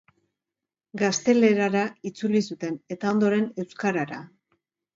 Gaztelerara itzuli zuten, eta ondoren euskarara.